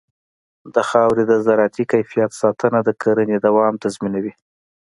د خاورې د زراعتي کیفیت ساتنه د کرنې دوام تضمینوي.